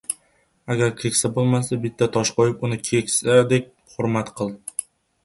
agar keksa bo‘lmasa bitta tosh qo‘yib, uni keksadek hurmat qil.